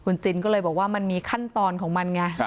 คุณจินก็เลยบอกว่ามันมีขั้นตอนของมันไง